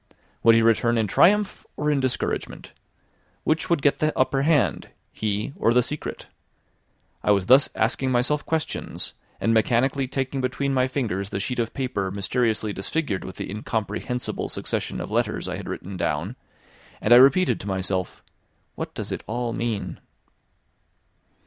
Would he return in triumph or in discouragement? Which would get the upper hand, he or the secret? I was thus asking myself questions, and mechanically taking between my fingers the sheet of paper mysteriously disfigured with the incomprehensible succession of letters I had written down; and I repeated to myself "What does it all mean?"